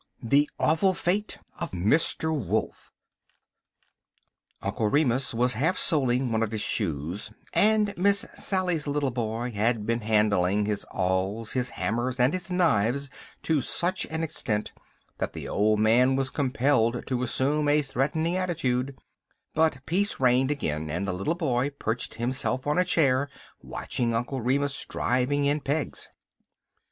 THE AWFUL FATE OF MR. WOLF UNCLE REMUS was half soling one of his shoes, and his Miss Sally's little boy had been handling his awls, his hammers, and his knives to such an extent that the old man was compelled to assume a threatening attitude; but peace reigned again, and the little boy perched himself on a chair, watching Uncle Remus driving in pegs.